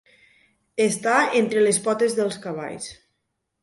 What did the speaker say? Estar entre les potes dels cavalls.